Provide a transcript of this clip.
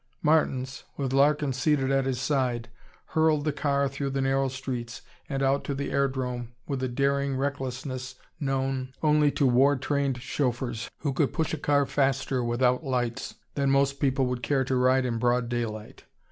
3 Martins, with Larkin seated at his side, hurled the car through the narrow streets and out to the airdrome with a daring recklessness known only to war trained chauffeurs who could push a car faster without lights than most people would care to ride in broad daylight.